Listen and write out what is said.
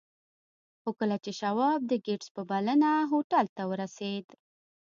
خو کله چې شواب د ګیټس په بلنه هوټل ته ورسېد